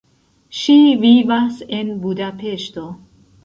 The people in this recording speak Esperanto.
Ŝi vivas en Budapeŝto.